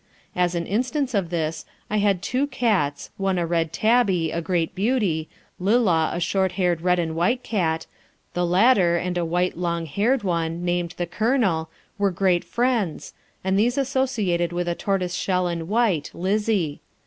As an instance of this I had two cats, one a red tabby, a great beauty; Lillah, a short haired red and white cat; the latter and a white long haired one, named "The Colonel," were great friends, and these associated with a tortoiseshell and white, Lizzie.